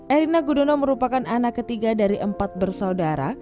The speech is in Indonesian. erina gudono merupakan anak ketiga dari empat bersaudara